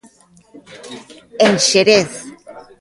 En Xerez.